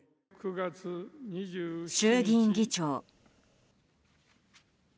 衆議院議長。